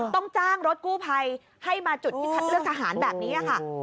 ต้องจ้างรถกู้ภัยให้มาจุดที่คัดเลือกทหารแบบนี้ค่ะ